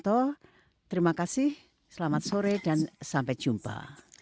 terima kasih selamat sore dan sampai jumpa